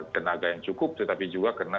tenaga yang cukup tetapi juga karena